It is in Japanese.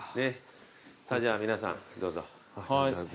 さあじゃあ皆さんどうぞ。